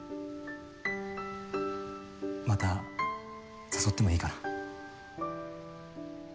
また誘ってもいいかな？